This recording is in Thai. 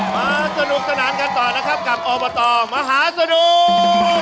สนุกสนานกันต่อนะครับกับอบตมหาสนุก